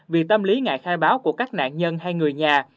vì tâm lý ngại khai báo của các nạn nhân hay người nhà